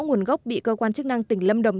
nguồn gốc bị cơ quan chức năng tỉnh lâm đồng